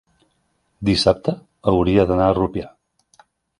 dissabte hauria d'anar a Rupià.